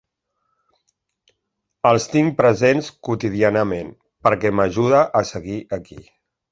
Els tinc presents quotidianament, perquè m’ajuda a seguir aquí.